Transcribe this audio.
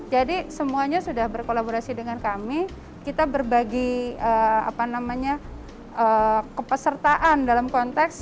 jadi semuanya sudah berkolaborasi dengan kami kita berbagi apa namanya kepesertaan dalam konteks